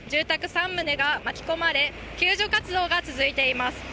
３棟が巻き込まれ、救助活動が続いています。